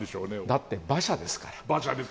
だって馬車ですから。